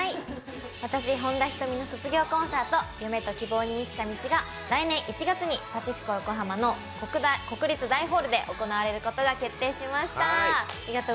私、本田仁美卒業コンサート、夢と希望に満ちた道が来年１月にパシフィコ横浜国立大ホールで行われることが決定しました。